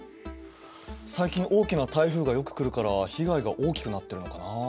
最近大きな台風がよく来るから被害が大きくなってるのかなあ。